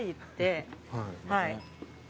はい。